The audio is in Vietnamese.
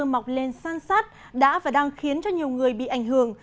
mọc lên san sát đã và đang khiến cho nhiều người bị ảnh hưởng